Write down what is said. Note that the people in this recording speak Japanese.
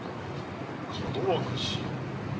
「かどわかし」？